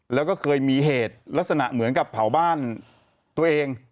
แล้วก็เคยมีเหตุลักษณะเหมือนกับเผาบ้านตัวเอง